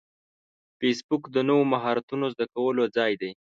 فېسبوک د نوو مهارتونو زده کولو ځای دی